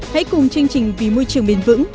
hãy cùng chương trình vì môi trường bền vững